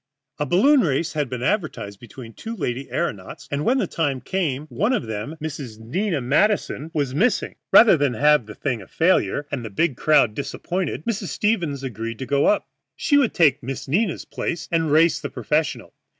A balloon race had been advertised between two lady aëronauts, and when the time came one of them, Miss Nina Madison, was missing. Rather than have the thing a failure and a big crowd disappointed, Mrs. Stevens agreed to go up. She would take Miss Nina's place and race the professional.